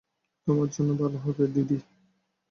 তোমার জন্য ভাল হবে, দিদি।